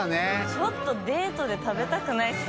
ちょっとデートで食べたくないですね。